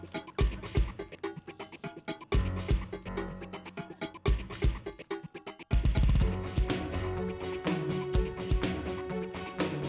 di warung gue ada orang yang